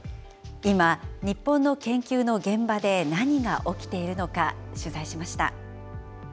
今、日本の研究の現場で何が起きているのか、取材しました。